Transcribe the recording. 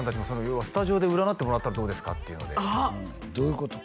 要は「スタジオで占ってもらったらどうですか？」っていうのでどういうこと？